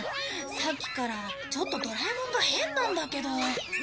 さっきからドラえもんが変なんだけど。